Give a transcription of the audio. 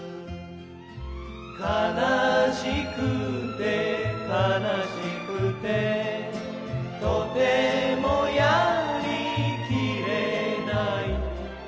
「悲しくて悲しくてとてもやりきれない」